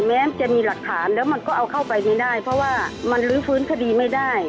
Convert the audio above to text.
แม้จะมีหลักฐานแล้วมันก็เอาเข้าไปไม่ได้เพราะว่ามันลื้อฟื้นคดีไม่ได้